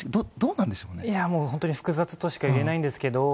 いやもう、本当に複雑としか言えないんですけれども、